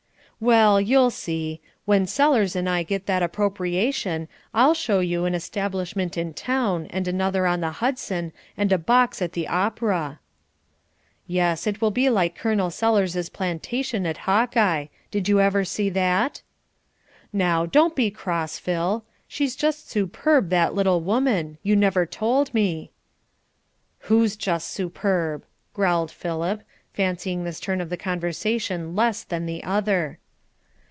"Well, you'll see. When Sellers and I get that appropriation, I'll show you an establishment in town and another on the Hudson and a box at the opera." "Yes, it will be like Col. Sellers' plantation at Hawkeye. Did you ever see that?" "Now, don't be cross, Phil. She's just superb, that little woman. You never told me." "Who's just superb?" growled Philip, fancying this turn of the conversation less than the other.